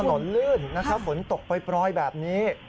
ถนนลื่นนะครับคุณตกปล่อยแบบนี้